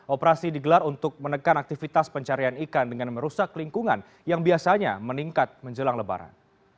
operasi digelar untuk menekan aktivitas pencarian ikan dengan merusak lingkungan yang biasanya meningkat menjelang lebaran